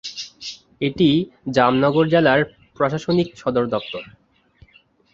এটি জামনগর জেলার প্রশাসনিক সদর দপ্তর।